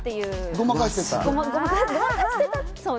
ごまかしてた？